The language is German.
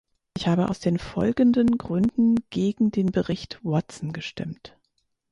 Ich habe aus den folgenden Gründen gegen den Bericht Watson gestimmt.